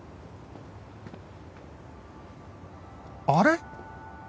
あれ？